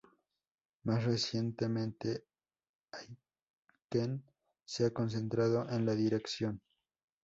Más recientemente, Aitken se ha concentrado en la dirección.